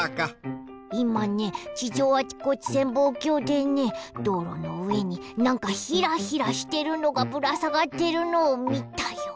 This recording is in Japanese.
いまね地上あちこち潜望鏡でねどうろのうえになんかヒラヒラしてるのがぶらさがってるのをみたよ。